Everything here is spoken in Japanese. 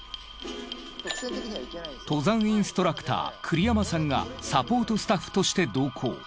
登山インストラクター栗山さんがサポートスタッフとして同行。